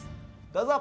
どうぞ！